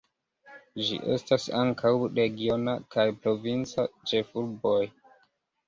Ĝi estas ankaŭ regiona kaj provinca ĉefurboj.